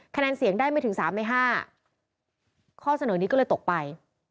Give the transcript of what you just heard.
คะแนนเสียงได้ไม่ถึงสามในห้าข้อเสนอนี้ก็เลยตกไป